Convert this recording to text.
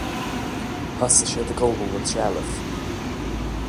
Thosaigh siad ag ullmhú an trealaimh.